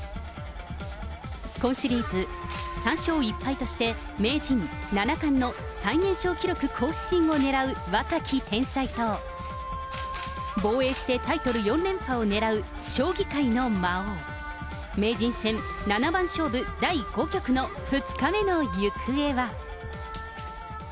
今シリーズ３勝１敗として、名人、七冠の最年少記録更新をねらう若き天才と、防衛してタイトル４連覇をねらう将棋界の魔王、名人戦七番勝負第５局の２日目の行方は。